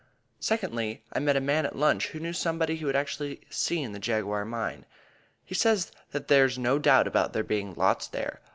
Secondly, I met a man at lunch who knew somebody who had actually seen the Jaguar Mine. "He says that there's no doubt about there being lots there."